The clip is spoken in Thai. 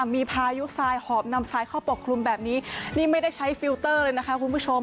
มีพายุทรายหอบนำทรายเข้าปกคลุมแบบนี้นี่ไม่ได้ใช้ฟิลเตอร์เลยนะคะคุณผู้ชม